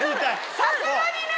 さすがにね！